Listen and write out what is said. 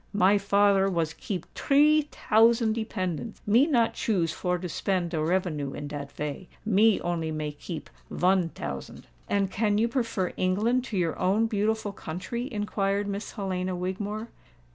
My father was keep tree tousand dependants: me not choose for to spend de revenue in dat vay—me only may keep von tousand." "And can you prefer England to your own beautiful country?" inquired Miss Helena Wigmore.